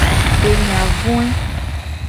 Enya voe.